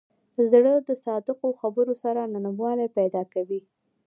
زړه د صادقو خبرو سره نرموالی پیدا کوي.